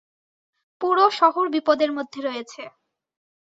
পুরো শহর বিপদের মধ্যে রয়েছে।